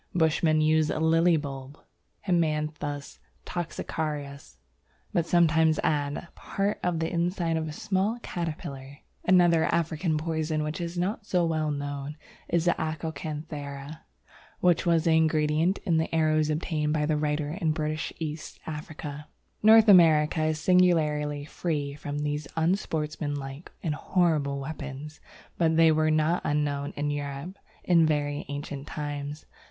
Bushmen use a Lily bulb, Haemanthus toxicarius, but sometimes add part of the inside of a small caterpillar. Another African poison which is not so well known is the Acokanthera, which was the ingredient in the arrows obtained by the writer in British East Africa. North America is singularly free from these unsportsmanlike and horrible weapons, but they were not unknown in Europe in very ancient times.